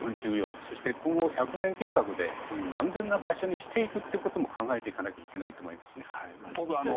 そして、今後１００年計画で安全な場所にしていくということも考えていかないといけないと思いますね。